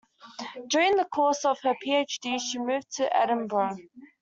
During the course of her PhD she moved to Edinburgh.